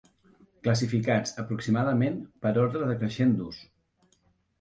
Classificats, aproximadament, per ordre decreixent d'ús.